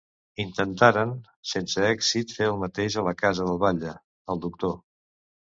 Intentaren, sense èxit fer el mateix a la casa del batlle, el doctor.